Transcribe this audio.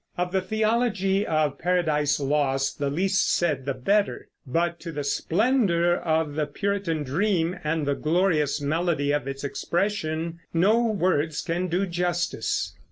Of the theology of Paradise Lost the least said the better; but to the splendor of the Puritan dream and the glorious melody of its expression no words can do justice.